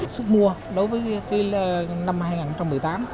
sức mua đối với năm hai nghìn một mươi tám